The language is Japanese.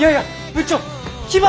部長。